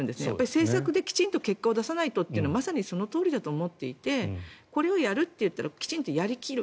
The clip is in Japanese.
政策できちんと結果を出さないとというのはまさにそのとおりだと思っていてこれをやると言ったらきちんとやり切る。